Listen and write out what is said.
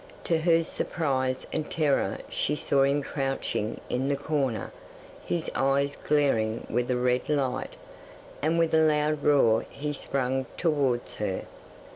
To her surprise and terror she saw him crouching in the corner, his eyes glaring with a red light, and with a loud roar he sprang towards her.